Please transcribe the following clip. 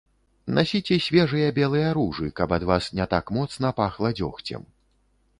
Насіце свежыя белыя ружы, каб ад вас не так моцна пахла дзёгцем.